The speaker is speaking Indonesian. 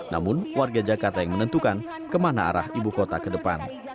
namun warga jakarta yang menentukan kemana arah ibu kota ke depan